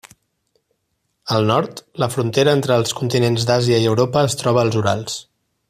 Al nord, la frontera entre els continents d'Àsia i Europa es troba als Urals.